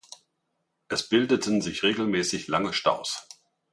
Es bildeten sich regelmäßig lange Staus.